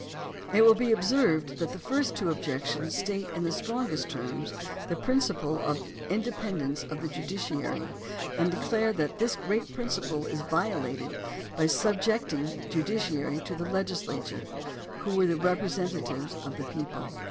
It will be observed that the first two objections state in the strongest terms the principle of the independence of the judiciary, and declare that this great principle is violated by subjecting the judiciary to the legisla ture, who were the representatives of the people.